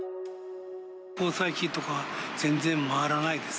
交際費とかは全然回らないです。